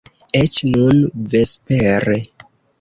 Eĉ nun, vespere.